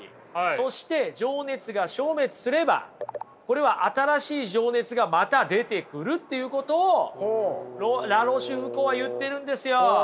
そして情熱が消滅すればこれは新しい情熱がまた出てくるっていうことをラ・ロシュフコーは言ってるんですよ。